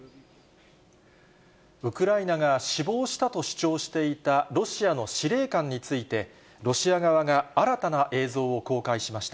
ウクライナが死亡したと主張していたロシアの司令官について、ロシア側が新たな映像を公開しました。